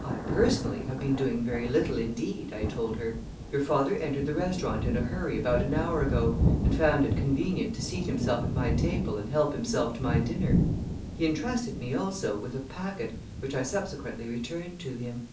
"I, personally, have been doing very little indeed," I told her. "Your father entered the restaurant in a hurry about an hour ago and found it convenient to seat himself at my table and help himself to my dinner. He intrusted me, also, with a packet, which I subsequently returned to him."